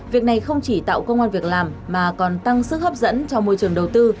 việc này không chỉ tạo công an việc làm mà còn tăng sức hấp dẫn cho môi trường đầu tư